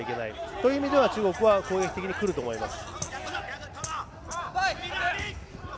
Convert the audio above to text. そういう意味では中国は攻撃的にくると思います。